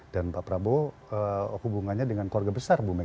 dan pak prabowo hubungannya dengan korga besar bu mega